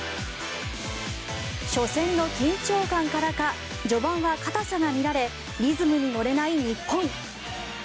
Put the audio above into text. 初戦の緊張感からか序盤は硬さが見られリズムに乗れない日本。